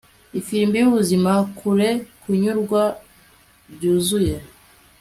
Ifirimbi yubuzima kure kunyurwa byuzuye